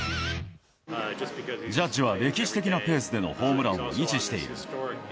ジャッジは歴史的なペースでのホームランを維持している。